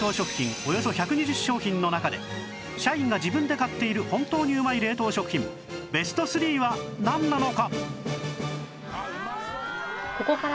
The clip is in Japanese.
およそ１２０商品の中で社員が自分で買っている本当にうまい冷凍食品ベスト３はなんなのか？